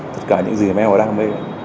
tất cả những gì mà em đã đam mê